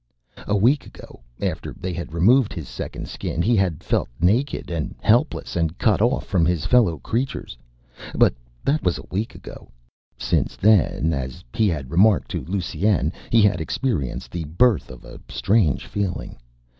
A week ago, after they had removed his second Skin, he had felt naked and helpless and cut off from his fellow creatures. But that was a week ago. Since then, as he had remarked to Lusine, he had experienced the birth of a strange feeling.